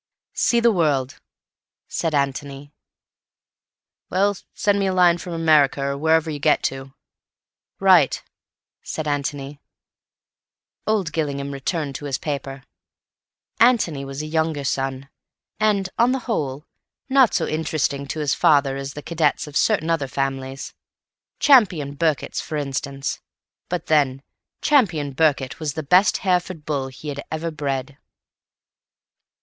"See the world," said Antony. "Well, send me a line from America, or wherever you get to." "Right," said Antony. Old Gillingham returned to his paper. Antony was a younger son, and, on the whole, not so interesting to his father as the cadets of certain other families; Champion Birket's, for instance. But, then, Champion Birket was the best Hereford bull he had ever bred.